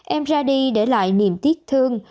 em ra đi để lại niềm tiếc thương